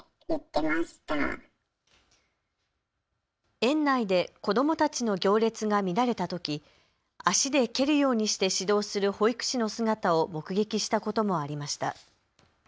園内で子どもたちの行列が乱れたとき足で蹴るようにして指導する保育士の姿を目撃したこともありました。